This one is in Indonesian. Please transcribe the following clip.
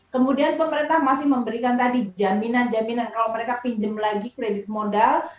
kemudian pemerintah masih memberikan tadi jaminan jaminan kalau mereka pinjam lagi kredit modal